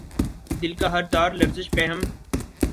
دل کا ہر تار لرزش پیہم